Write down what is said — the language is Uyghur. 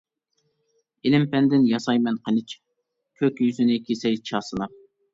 ئىلىم-پەندىن ياسايمەن قىلىچ، كۆك يۈزىنى كېسەي چاسىلاپ.